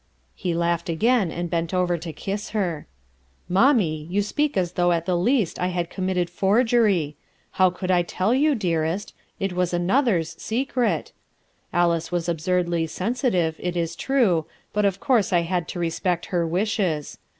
He laughed again and bent over to kiss her, "Mommie, you speak as though at the least I had committed forgery. How could I tell you, dearest? It was another's secret. Alice was absurdly sensitive, it is true, but of course I had to respect her wishes.